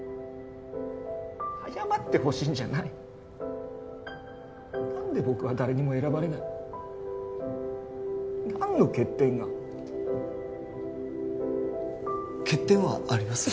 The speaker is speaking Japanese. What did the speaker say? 謝ってほしいんじゃない何で僕は誰にも選ばれない何の欠点が欠点はあります